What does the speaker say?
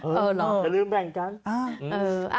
เออเหรอจะลืมแม่งจังเออเออ